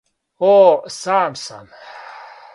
О, сам сам.